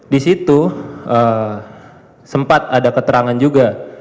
di situ sempat ada keterangan juga